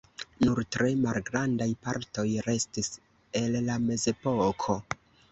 Nur tre malgrandaj partoj restis el la mezepoko.